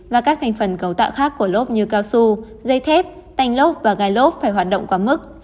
và các thành phần cấu tạo khác của lốp như cao su dây thép lốp và gà lốp phải hoạt động quá mức